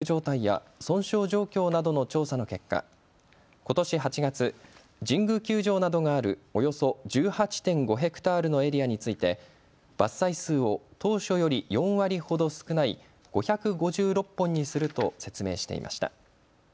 再開発を行う三井不動産は専門家による樹木の生育状態や損傷状況などの調査の結果、ことし８月、神宮球場などがあるおよそ１８．５ｈａのエリアについて伐採数を当初より４割ほど少ない５５６本にすると説明していました。